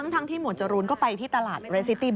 ทั้งที่หมวดจรูนก็ไปที่ตลาดเรสซิตี้